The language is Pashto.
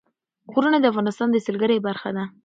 غرونه د افغانستان د سیلګرۍ برخه ده.